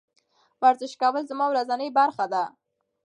ورزش کول زما ورځنۍ برخه ده.